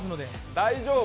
大丈夫？